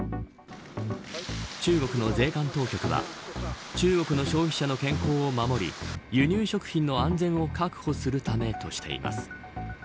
中国の税関当局は中国の消費者の健康を守り輸入食品の安全を確保するためとしています。